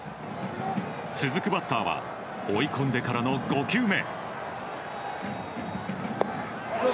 続くバッターは追い込んでからの５球目。